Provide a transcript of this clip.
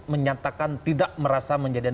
menyatakan tidak merasa menjadikan